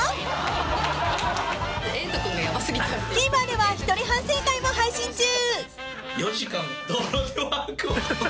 ［ＴＶｅｒでは一人反省会も配信中］